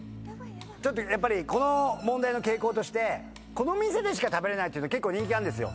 やっぱりこの問題の傾向としてこの店でしか食べれないというの結構人気があるんですよ。